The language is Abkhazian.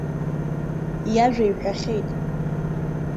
Иажәа иҳәахьеит.